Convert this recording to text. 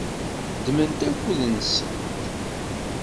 Ddment akud-nsent.